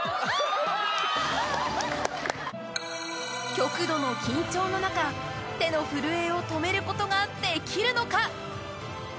極度の緊張の中手の震えを止めることができるのか。